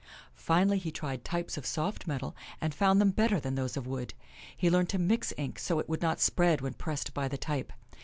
Finally, he tried types of soft metal and found them better than those of wood. He learned to mix ink so it would not spread when pressed by the type.